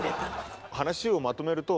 話をまとめると。